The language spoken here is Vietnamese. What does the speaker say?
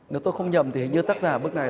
nếu tôi không nhầm thì hình như tác giả bước này